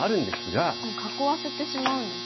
もう囲わせてしまうんですね。